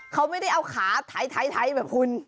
เขาไม่ได้เอาขาท้ายแบบคุณ